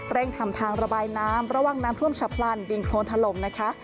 เร่งทำทางระบายน้ำระวังน้ำท่วมฉะพลันดิงโคนถล่มนะคะ